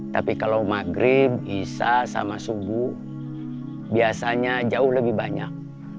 tapi kalau maghrib isa sama subuh biasanya jauh lebih banyak